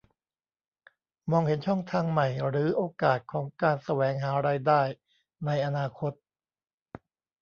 มองเห็นช่องทางใหม่หรือโอกาสของการแสวงหารายได้ในอนาคต